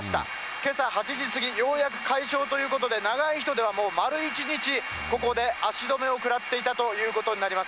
けさ８時過ぎ、ようやく解消ということで、長い人ではもう丸１日、ここで足止めを食らっていたということになります。